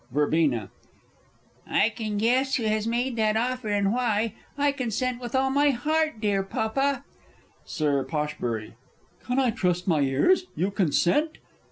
Verb. I can guess who has made that offer, and why. I consent with all my heart, dear Papa. Sir P. Can I trust my ears! You consent?